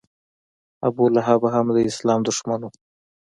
ابولهب هم د اسلام دښمن و.